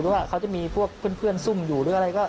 ว่าเขาจะมีพวกเพื่อนซุ่มอยู่หรืออะไรก็